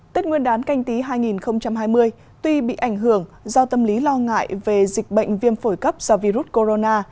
tết nguyên đán canh tí hai nghìn hai mươi tuy bị ảnh hưởng do tâm lý lo ngại về dịch bệnh viêm phổi cấp do virus corona